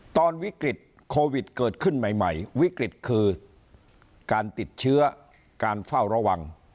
ตอนวิกฤตโควิดเกิดขึ้นใหม่วิกฤตคือการติดเชื้อการเฝ้าระวัง